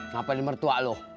ngapain di mertua lo